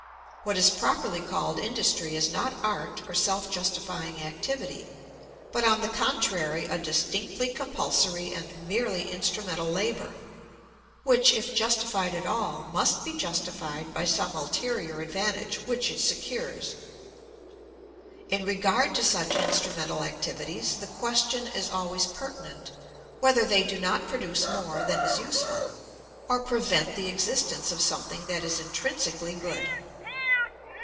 What is properly called industry is not art or self justifying activity, but on the contrary a distinctly compulsory and merely instrumental labour, which if justified at all must be justified by some ulterior advantage which it secures. In regard to such instrumental activities the question is always pertinent whether they do not produce more than is useful, or prevent the existence of something that is intrinsically good.